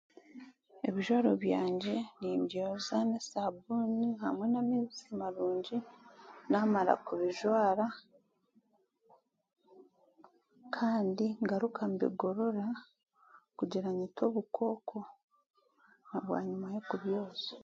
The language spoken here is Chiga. Ebijwaro byangye nimbyoza n'esaabuuni hamwe n'amaizi marungi naamara kubijwara, kandi ngaruka mbigorora kugira ngu nyite obukooko ahanyima y'okubyozya.